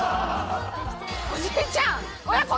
おじいちゃん親子